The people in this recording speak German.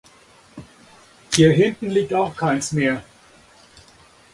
Hier hinten liegt auch keins mehr.